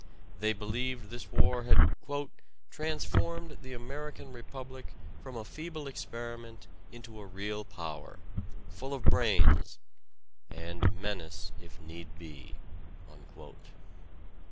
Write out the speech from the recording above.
They believed this war had "transformed the American Re public from a feeble experiment into a real power, full of brains, — and menace, if need be."